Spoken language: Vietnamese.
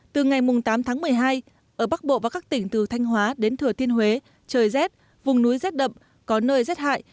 từ ngày tám tháng một mươi hai ở bắc bộ và các tỉnh từ thanh hóa đến thừa thiên huế trời rét vùng núi rét đậm có nơi rét hại